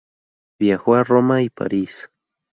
Viajó a Roma y París.